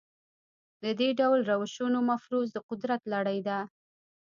د دې ډول روشونو مفروض د قدرت لړۍ ده.